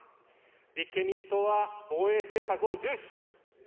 立憲民主党は防衛政策を重視します。